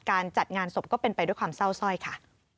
การจัดงานศพก็เป็นไปด้วยความเศร้าสร้อยค่ะ